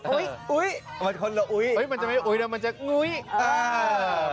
อุ๊ยอุ๊ยมันคนละอุ๊ยมันจะไม่อุ๊ยแล้วมันจะงุ้ยอ่า